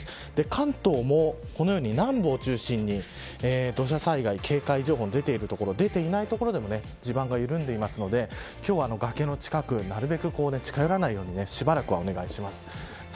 関東もこのように南部を中心に土砂災害警戒情報が出ている所出ていない所でも地盤が緩んでいるので今日は崖の近くに近づかないようにしばらくはお願いします。